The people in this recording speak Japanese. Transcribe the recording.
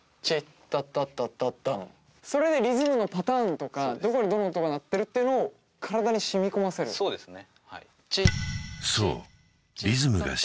それでリズムのパターンとかどこにどの音が鳴ってるっていうのを体にしみ込ませるそうですね